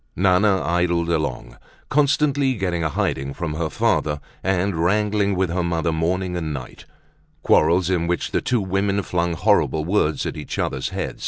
Nana idled along, constantly getting a hiding from her father, and wrangling with her mother morning and night—quarrels in which the two women flung horrible words at each other's head.